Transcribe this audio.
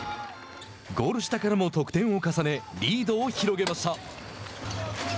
ゴール下からも得点を重ねリードを広げました。